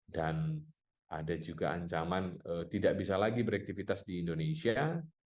dan ada juga ancaman tidak bisa lagi beraktivitas di indonesia